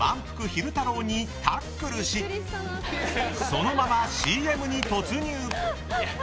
昼太郎にタックルしそのままＣＭに突入。